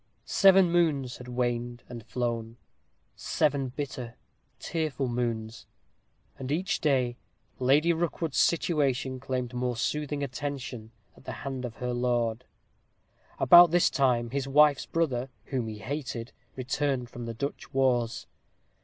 Seven moons had waned and flown seven bitter, tearful moons and each day Lady Rookwood's situation claimed more soothing attention at the hand of her lord. About this time his wife's brother, whom he hated, returned from the Dutch wars.